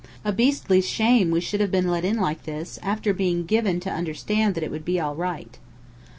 A beastly shame we should have been let in like this, after being given to understand that it would be all right."